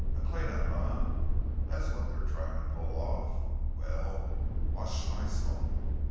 A clean up, eh—that's what they tryin' to pull off. Well, watch my smoke!"